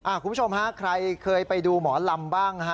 คุณผู้ชมใครเคยไปดูหมอลำบ้าง